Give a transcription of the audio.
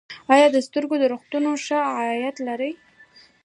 آیا د سترګو روغتونونه ښه عاید لري؟